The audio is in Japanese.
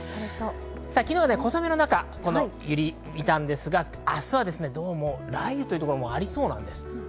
昨日は小雨の中、このユリを見たんですが、明日はどうも、雷雨の所もありそうです。